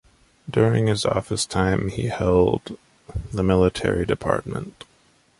During his office time he held the Military Department.